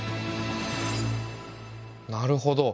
なるほど。